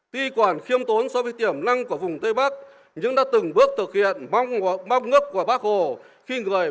tuy quản khiêm tốn so với tiềm năng của vùng tây bắc nhưng đã từng bước thực hiện mong ngược của bà con